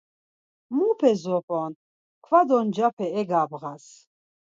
Mupe zop̌on, kva do ncape egabğas.